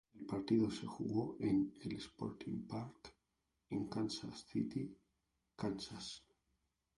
El partido se jugó en el Sporting Park en Kansas City, Kansas.